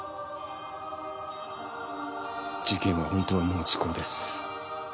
事件は本当はもう時効です。